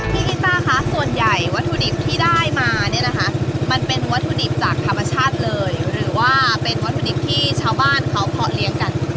กีต้าคะส่วนใหญ่วัตถุดิบที่ได้มาเนี่ยนะคะมันเป็นวัตถุดิบจากธรรมชาติเลยหรือว่าเป็นวัตถุดิบที่ชาวบ้านเขาเพาะเลี้ยงกัน